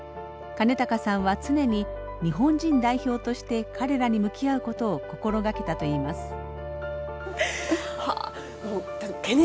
兼高さんは常に日本人代表として彼らに向き合うことを心がけたといいます。